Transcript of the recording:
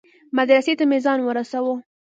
مدرسې ته مې ځان ورساوه.